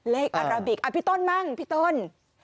เลขอาราบิกพี่ต้นบ้างพี่ต้น